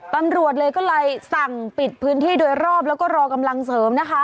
ตำรวจเลยก็เลยสั่งปิดพื้นที่โดยรอบแล้วก็รอกำลังเสริมนะคะ